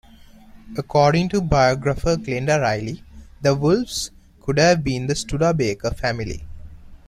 According to biographer Glenda Riley, "the wolves" could have been the Studabaker family.